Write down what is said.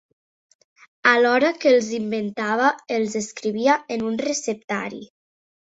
Alhora que els inventava, els escrivia en un receptari.